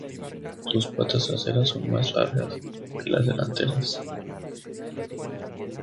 Sus patas traseras son más largas que las delanteras.